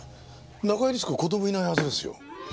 中井律子子供いないはずですよ。